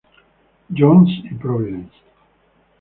John's y Providence.